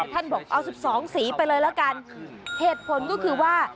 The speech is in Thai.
ท่านบอกเอา๑๒สีไปเลยละกันเหตุผลก็คือว่า